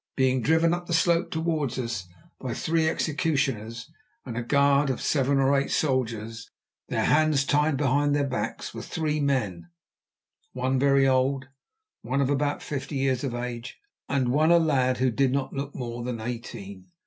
Being driven up the slope towards us by three executioners and a guard of seven or eight soldiers, their hands tied behind their backs, were three men, one very old, one of about fifty years of age, and one a lad, who did not look more than eighteen.